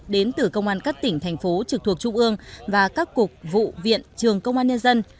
đến từ công an các tỉnh thành phố trực thuộc trung ương và các cục vụ viện trường công an nhân dân